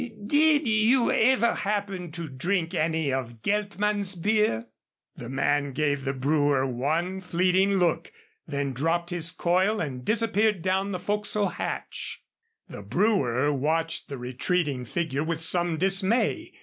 "Did you ever happen to drink any of Geltman's beer?" The man gave the brewer one fleeting look, then dropped his coil and disappeared down the fo'c's'le hatch. The brewer watched the retreating figure with some dismay.